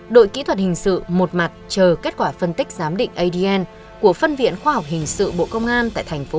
đội kỹ thuật hình sự một mặt chờ kết quả phân tích giám định adn của phân viện khoa học hình sự bộ công an tại thành phố